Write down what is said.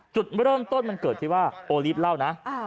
จุดเริ่มต้นมันเกิดที่ว่าโอลีฟเล่านะ